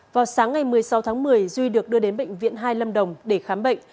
vào sáng ngày một mươi sáu tháng một mươi duy được đưa đến bệnh viện hai lâm đồng để khám bệnh